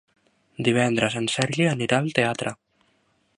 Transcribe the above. Divendres en Sergi anirà al teatre.